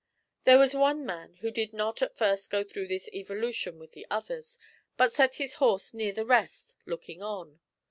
There was one man who did not at first go through this evolution with the others, but set his horse near the rest looking on.